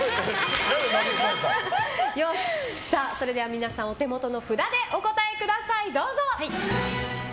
皆さん、お手元の札でお答えください。